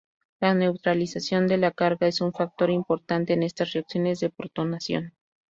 La neutralización de la carga es un factor importante en estas reacciones de protonación.